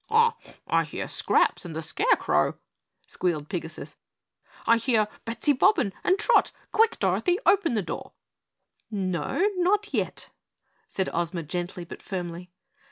"I hear Scraps and the Scarecrow," squealed Pigasus, "I hear Bettsy Bobbin and Trot. Quick, Dorothy, open the door." "No, no, not yet," said Ozma gently but firmly.